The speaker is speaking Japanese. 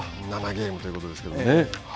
７ゲームということですけれどもね。